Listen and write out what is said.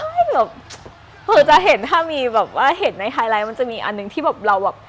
แบบคือจะเห็นถ้ามีแบบว่าเห็นในไฮไลท์มันจะมีอันหนึ่งที่แบบเราแบบ